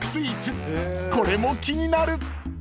［これも気になる］